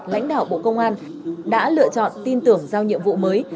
lãnh đạo bộ công an đã lựa chọn tin tưởng giao nhiệm vụ mới